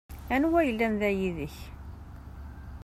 Anwa yellan da yid-k?